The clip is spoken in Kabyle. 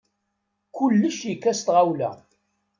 Kullec yekka s tɣawla.